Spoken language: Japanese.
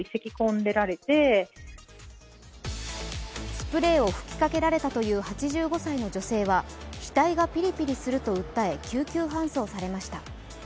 スプレーを吹きかけられたという８５歳の女性は額がピリピリすると訴え救急搬送されました。